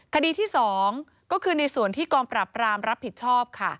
คดีที่๒ก็คือในส่วนที่กองปราบรามรับผิดชอบค่ะ